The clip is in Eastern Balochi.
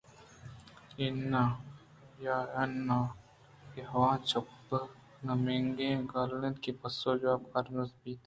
اِنّا: یا اِنّاں(No) اِے "ھو " ءِ چَپ ، نہ مَنّگ ءِ گال اِنت کہ پسّو(جواب) ءَ کارمرز بیت۔